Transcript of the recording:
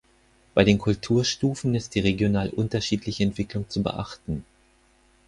Bei den Kulturstufen ist die regional unterschiedliche Entwicklung zu beachten.